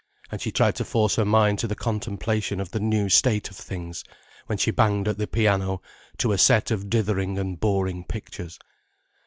And she tried to force her mind to the contemplation of the new state of things, when she banged at the piano to a set of dithering and boring pictures.